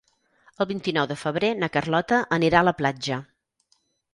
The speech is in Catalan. El vint-i-nou de febrer na Carlota anirà a la platja.